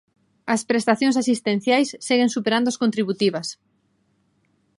As prestacións asistenciais seguen superando as contributivas.